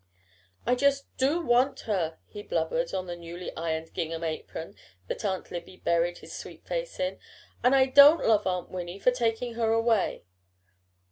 "I just do want her," he blubbered on the newly ironed gingham apron that Aunt Libby buried his sweet face in, "and I don't love Auntie Winnie for taking her away."